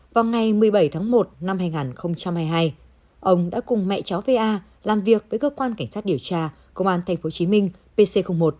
vào ngày một mươi bảy tháng một năm hai nghìn hai mươi hai ông đã cùng mẹ cháu va làm việc với cơ quan cảnh sát điều tra công an tp hcm pc một